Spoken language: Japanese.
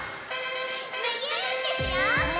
むぎゅーってしよう！